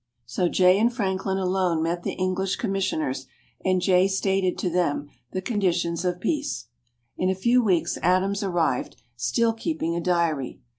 So Jay and Franklin alone met the English commissioners, and Jay stated to them the conditions of peace. In a few weeks Adams arrived, still keeping a diary.